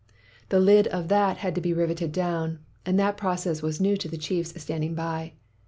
The lid of that had to be riveted down, and that process was new to the chiefs standing by.